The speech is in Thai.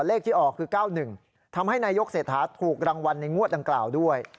เลขที่ออกคือ๙๑ทำให้นายกเศรษฐาถูกรางวัลในงวดดังกล่าวด้วย